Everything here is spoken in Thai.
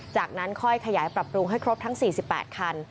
จากนั้นค่อยขยายปรับปรุงให้ครบทั้ง๔๘คัน